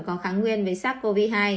có kháng nguyên với sars cov hai